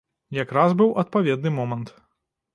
Якраз быў адпаведны момант.